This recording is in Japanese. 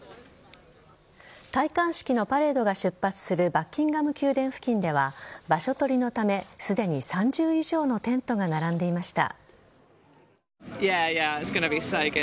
戴冠式のパレードが出発するバッキンガム宮殿付近では場所取りのためすでに３０以上のテントが並んでいました。